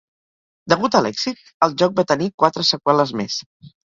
Degut a l"èxit, el joc va tenir quatre seqüeles més.